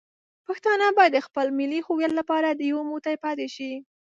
پښتانه باید د خپل ملي هویت لپاره یو موټی پاتې شي.